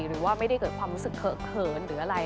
หรือว่าไม่ได้เกิดความรู้สึกเขินหรืออะไร